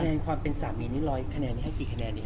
คะแนนความเป็นสามีนี่ร้อยคะแนนนี่ให้กี่คะแนนนี่คะ